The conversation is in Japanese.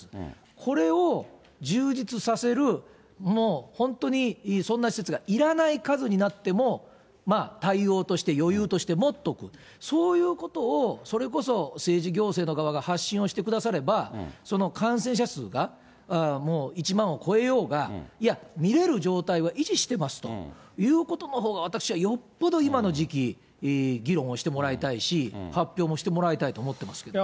これを充実させる、本当にそんな施設がいらない数になっても、対応として余裕として持っとく、そういうことをそれこそ政治行政の側が発信をしてくだされば、その感染者数がもう１万を超えようが、いや、診れる状態は維持してますということのほうが私はよっぽど今の時期、議論をしてもらいたいし、発表もしてもらいたいと思ってますけどね。